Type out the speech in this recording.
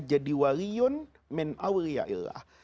jadi waliyun menawiliyaillah